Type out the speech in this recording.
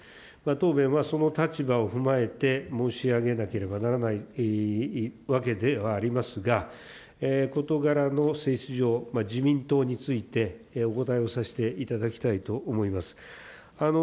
答弁はその立場を踏まえて申し上げなければならないわけではありますが、事柄の性質上、自民党についてお答えをさせていただきたいと思います。